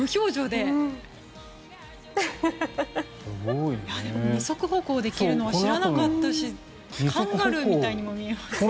でも、二足歩行できるのは知らなかったしカンガルーみたいにも見えます。